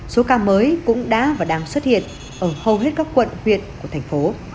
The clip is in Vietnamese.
số ca mới cũng đã và đang xuất hiện ở hầu hết các quận huyện của thành phố